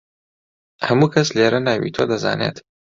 هەموو کەس لێرە ناوی تۆ دەزانێت.